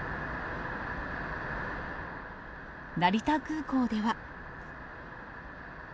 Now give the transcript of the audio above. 成田空港では。